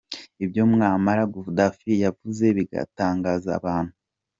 Ibyo Muammar Guaddaffi yavuze bigatangaza abantu.